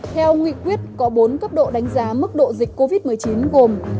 theo nghị quyết có bốn cấp độ đánh giá mức độ dịch covid một mươi chín gồm